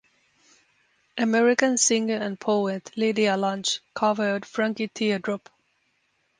American singer and poet Lydia Lunch covered "Frankie Teardrop".